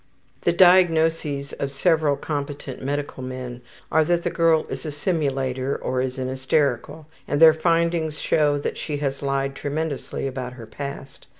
The diagnoses of several competent medical men are that the girl is a simulator or is an hysterical, and their findings show that she has lied tremendously about her past.